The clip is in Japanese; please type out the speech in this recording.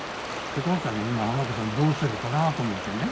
お母さんが今ハマコさんどうしてるかなと思ってね。